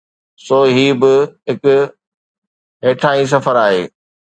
سو هي به هڪ هيٺاهين سفر آهي.